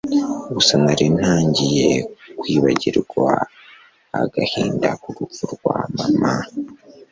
gusa nari ntangiye kwibagirwa agahinda kurupfu rwa mama